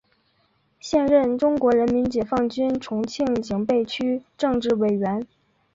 现任中国人民解放军重庆警备区政治委员。